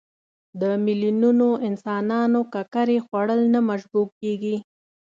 د میلیونونو انسانانو ککرې خوړل نه مشبوع کېږي.